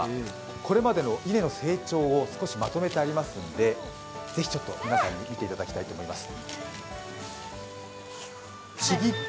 これまでの稲の成長を少しまとめてありますんでぜひ皆さんに見ていただきたいと思います。